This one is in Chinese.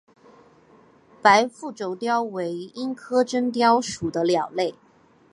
白腹隼雕为鹰科真雕属的鸟类。